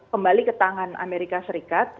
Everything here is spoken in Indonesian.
kembali ke tangan amerika